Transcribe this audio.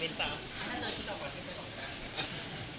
ตื่นเต้นซักที